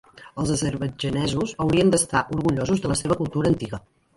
Els azerbaidjanesos haurien d'estar orgullosos de la seva cultura antiga.